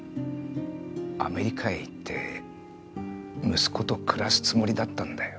アメリカへ行って息子と暮らすつもりだったんだよ。